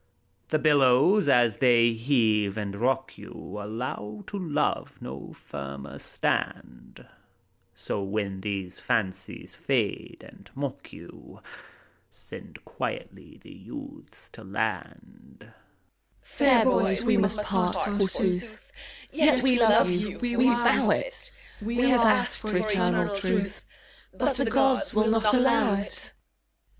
The billows, as they heave and rock you, Allow to love no firmer stand, So, when these fancies fade and mock you. Send quietly the youths to land. DORIDES. Fair bo3rs, we must part, forsooth; Yet we love you, we vow it ! We have asked for eternal truth. But the Gods will not allow it.